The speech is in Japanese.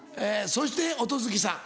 そして音月さん。